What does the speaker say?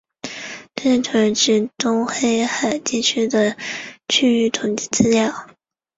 这是土耳其东黑海地区的区域统计资料。